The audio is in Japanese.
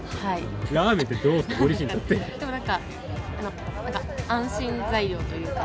ラーメンって、ご自身にとっでもなんか、なんか、安心材料というか。